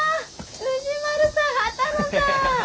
藤丸さん波多野さん！